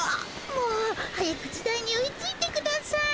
もう早く時代に追いついてください。